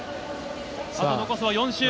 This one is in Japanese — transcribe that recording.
あと残すは４周。